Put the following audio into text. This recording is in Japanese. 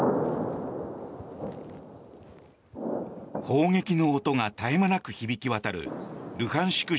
砲撃の音が絶え間なく響き渡るルハンシク